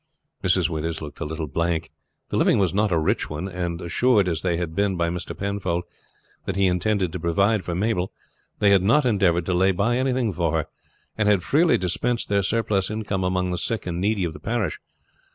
Mrs. Withers looked a little blank. The living was not a rich one, and assured as they had been by Mr. Penfold that he intended to provide for Mabel, they had not endeavored to lay by anything for her, and had freely dispensed their surplus income among the sick and needy of the parish.